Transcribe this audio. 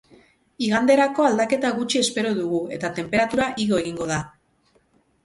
Iganderako aldaketa gutxi espero dugu eta tenperatura igo egingo da.